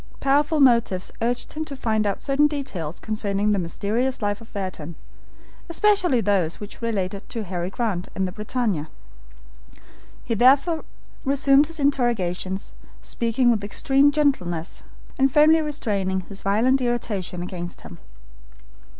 Powerful motives urged him to find out certain details concerning the mysterious life of Ayrton, especially those which related to Harry Grant and the BRITANNIA. He therefore resumed his interrogations, speaking with extreme gentleness and firmly restraining his violent irritation against him.